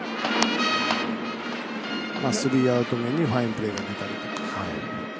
スリーアウト目にファインプレーが出たりとか。